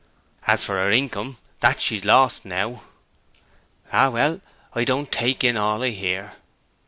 'As for her income, that she's now lost.' 'Ah, well; I don't take in all I hear.'